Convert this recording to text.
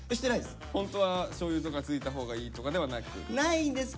ホントはしょうゆとかついたほうがいいとかではなく？